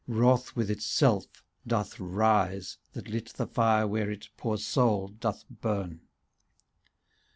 Wroth with itself doth rise. That lit the fire where it, poor soul ! doth burn.